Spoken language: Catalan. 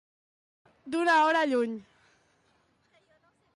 D'una hora lluny.